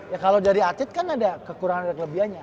ya kalau jadi atlet kan ada kekurangan dan kelebihannya